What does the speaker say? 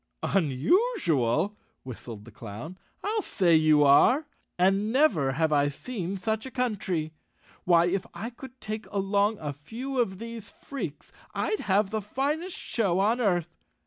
"Unusual," whistled the Clown. "I'll say you are I And never have I seen such a country. Why, if I could take along a few of these freaks, I'd have the finest show on earth."